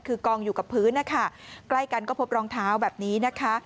คือกองอยู่กับพื้นนะคะใกล้กันก็พบรองเท้าแบบนี้นะคะ